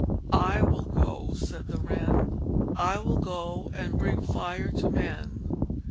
"I will go," said the Wren. "I will go and bring fire to men.